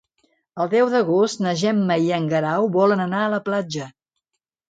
El deu d'agost na Gemma i en Guerau volen anar a la platja.